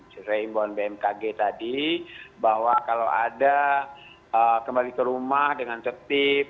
sebenarnya ibu mbak mbak mbak tadi bahwa kalau ada kembali ke rumah dengan tertib